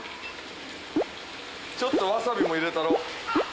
ちょっとわさびも入れたろ。